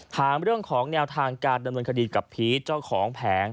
ถามเรื่องของแนวทางการดำเนินคดีกับพีชเจ้าของแผง